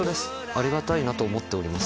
ありがたいと思ってます